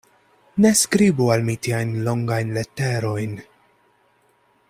Ne skribu al mi tiajn longajn leterojn.